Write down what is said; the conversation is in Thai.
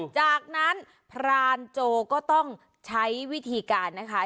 จากนั้นพรานโจก็ต้องใช้วิธีการนะคะ